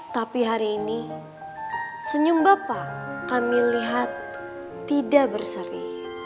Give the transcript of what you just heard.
tapi hari ini senyum bapak kami lihat tidak berseri